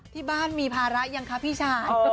ที่บ้านมีภาระยังคะพี่ชาย